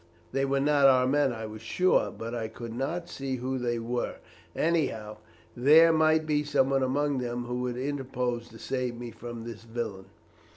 They were not our men, I was sure, but I could not see who they were; anyhow there might be someone among them who would interpose to save me from this villain.